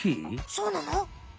そうなの？